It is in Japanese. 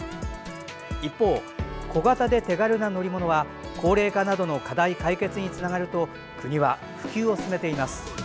一方、小型で手軽な乗り物は高齢化などの課題解決につながると国は普及を進めています。